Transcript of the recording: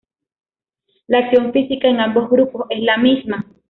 La acción física en ambos grupos es la misma.